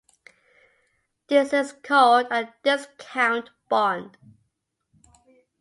This is called a discount bond.